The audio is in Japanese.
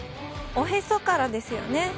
おヘソからですよね。